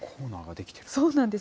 そうなんです。